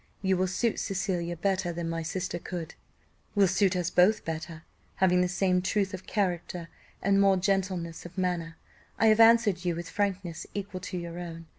You will suit Cecilia better than my sister could will suit us both better, having the same truth of character, and more gentleness of manner. I have answered you with frankness equal to your own.